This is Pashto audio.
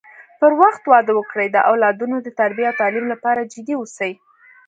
پر وخت واده وکړي د اولادونو د تربی او تعليم لپاره جدي اوسی